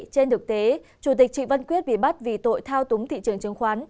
trên thực tế chủ tịch văn quyết bị bắt vì tội thao túng thị trường chứng khoán